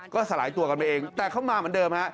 ก็สลายตัวกันไปเองแต่เข้ามาเหมือนเดิมฮะ